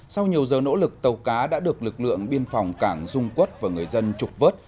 sau nhiều giờ nỗ lực tàu cá đã được lực lượng biên phòng cảng dung quốc và người dân trục vớt